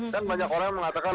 kan banyak orang mengatakan